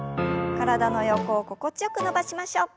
体の横を心地よく伸ばしましょう。